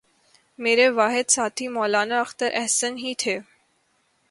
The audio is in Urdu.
میرے واحد ساتھی مولانا اختر احسن ہی تھے